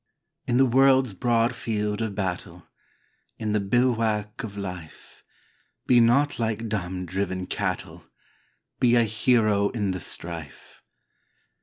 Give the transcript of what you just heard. In the world's broad field of battle, In the bivouac of Life, Be not like dumb, driven cattle ! Be a hero in the strife